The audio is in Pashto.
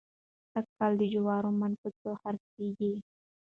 سږکال د جوارو من په څو خرڅېږي؟